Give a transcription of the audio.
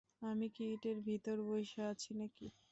আমি কি ইটের ভিতর, বইসা আছি নাকি।